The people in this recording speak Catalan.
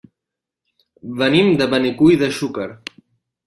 Venim de Benicull de Xúquer.